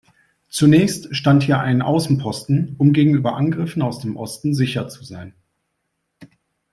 Zunächst stand hier ein Außenposten, um gegenüber Angriffen aus dem Osten sicher zu sein.